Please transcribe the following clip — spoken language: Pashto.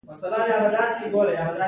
وروسته بیا دغه حالت تحلیلیږي.